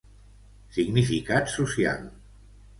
Significat social.